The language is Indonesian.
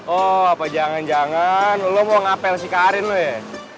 oh apa jangan jangan lo mau ngapel si karin lo ya